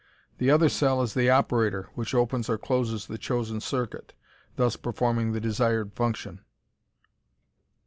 The other cell is the operator, which opens or closes the chosen circuit, thus performing the desired function.